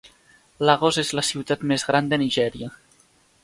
Lagos és la ciutat més gran de Nigèria.